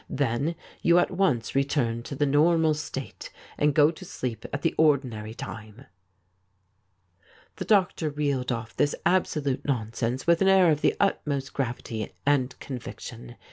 Then you at once retui'n to the normal 37 THIS IS ALL state, and go to sleep at the ordinary time.' The doctor reeled off this absolute nonsense with an air of the utmost gravity and conviction.